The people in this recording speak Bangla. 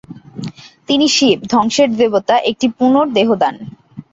তিনি শিব, ধ্বংসের দেবতার, একটি পুনঃদেহদান।